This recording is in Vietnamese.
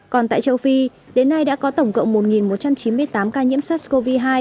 còn tại châu phi đến nay đã có tổng cộng một một trăm chín mươi tám ca nhiễm sars cov hai